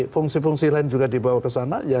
fungsi fungsi lain juga dibawa ke sana